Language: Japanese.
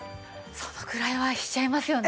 そのぐらいはしちゃいますよね。